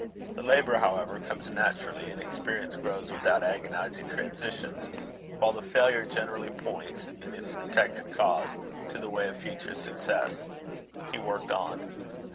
The labour, however, comes naturally, and experience grows without agonizing transitions; while the failure generally points, in its detected cause, to the way of future success. He worked on.